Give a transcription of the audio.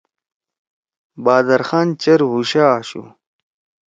بہادر خان چیر ہُوشا آشُو۔